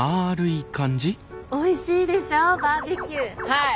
はい！